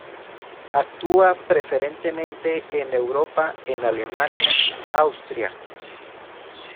Actúa preferentemente en Europa, en Alemania y Austria.